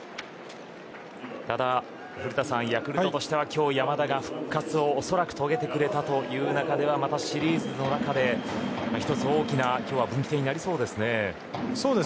ただ古田さん、ヤクルトとしては今日、山田が復活をおそらく遂げてくれた中ではまたシリーズの中で一つ大きな分岐点になりそうですね。